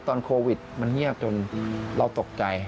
ตอนโควิดมันเงียบจนเราตกใจ